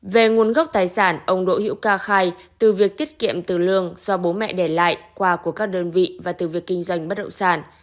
về nguồn gốc tài sản ông đỗ hữu ca khai từ việc tiết kiệm từ lương do bố mẹ để lại qua của các đơn vị và từ việc kinh doanh bất động sản